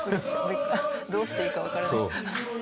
どうしていいかわからない。